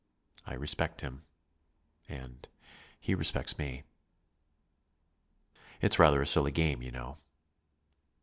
I respect him, and he respects me." "It's rather a silly game, you know."